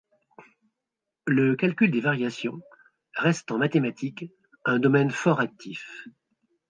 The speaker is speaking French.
Le calcul des variations reste en mathématiques un domaine fort actif.